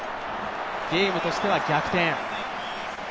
ゲームとしては逆転。